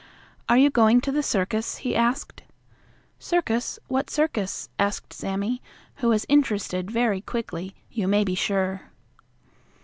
"Are you going to the circus?" he asked. "Circus? What circus?" asked Sammie, who was interested very quickly, you may be sure.